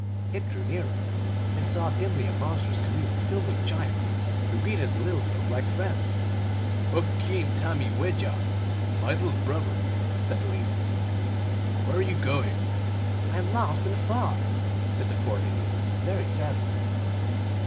It drew nearer. They saw dimly a monstrous canoe filled with giants, who greeted the little folk like friends. " Uch keen, tahmee wejeaok f "" My little brother," said the leader, " where are you going ?" "I am lost in the fog," said the poor Indian, very sadly.